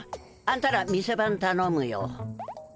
あんたら店番たのむよ。